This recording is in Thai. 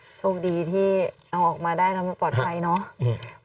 โอ้โหโชคดีที่เอาออกมาได้ทำให้ปลอดภัยเนาะ